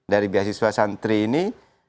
dari beasiswa santri ini